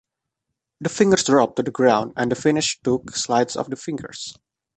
The fingers drop to the ground and the finished stook slides off the fingers.